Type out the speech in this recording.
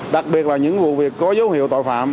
đặc biệt là những vụ việc có dấu hiệu tội phạm